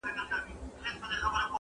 د موبايل ټول تصويرونهيېدلېپاتهسي,